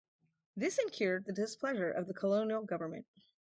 This incurred the displeasure of the colonial government.